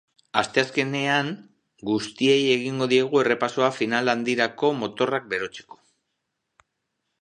Asteazkenean, guztiei egingo diegu errepasoa final handirako motorrak berotzeko.